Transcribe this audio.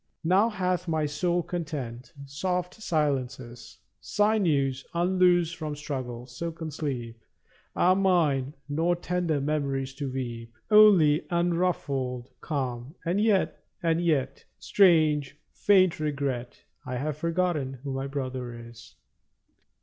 Now hath my soul content. Soft silences, Sinews unloosed from struggle, silken sleep, 27 Are mine; nor tender memories to weep. Only unruffled calm; and yet — and yet — Strange, faint regret — I have forgotten who my brother is!